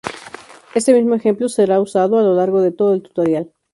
Este mismo ejemplo será usado a lo largo de todo el tutorial.